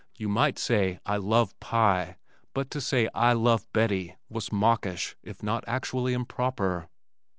You might say, "I love pie," but to say "I love Bettie," was mawkish if not actually improper.